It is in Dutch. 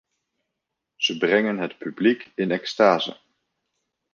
Ze brengen het publiek in extase.